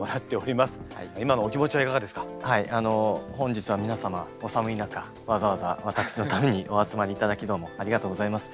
本日は皆様お寒い中わざわざ私のためにお集まりいただきどうもありがとうございます。